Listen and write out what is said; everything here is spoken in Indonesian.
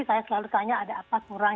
saya selalu tanya ada apa kurang